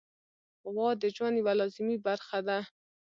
غوا د ژوند یوه لازمي برخه ده.